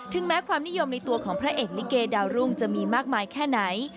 แม้ความนิยมในตัวของพระเอกลิเกดาวรุ่งจะมีมากมายแค่ไหน